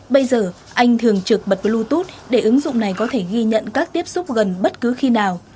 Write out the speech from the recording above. bây giờ anh thường trực bật bluetooth để ứng dụng này có thể ghi nhận các tiếp xúc gần bất cứ khi nào